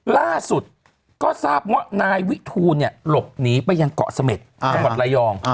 ล่าสุดก็ทราบว่านายวิทูลหลบหนีไปยังเกาะเสม็ดจังหวัดระยอง